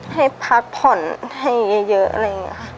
ให้พักผ่อนให้เยอะเลยค่ะ